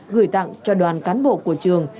gửi tặng cho đoàn cán bộ của trường